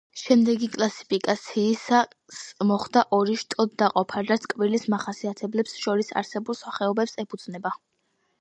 შემდეგი კლასიფიკაციისას, მოხდა ორ შტოდ დაყოფა, რაც კბილის მახასიათებლებს შორის არსებულ სხვაობებს ეფუძნებოდა.